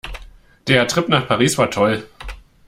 Der Trip nach Paris war toll.